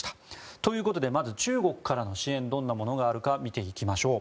ということでまず中国からの支援どんなものがあるか見ていきましょう。